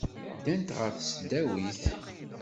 Ddant ɣer tesdawit.